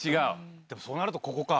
そうなるとここか。